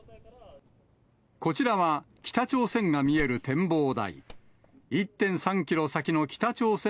こちらは、北朝鮮が見える展望台。